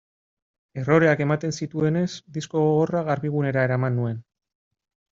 Erroreak ematen zituenez, disko gogorra Garbigunera eraman nuen.